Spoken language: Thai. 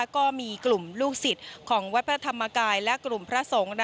ก็มีกลุ่มลูกศิษย์ของวัดพระธรรมกายและกลุ่มพระสงฆ์